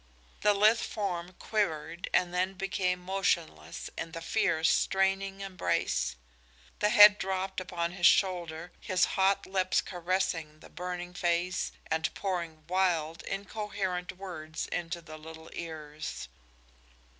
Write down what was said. The lithe form quivered and then became motionless in the fierce, straining embrace; the head dropped upon his shoulder, his hot lips caressing the burning face and pouring wild, incoherent words into the little ears.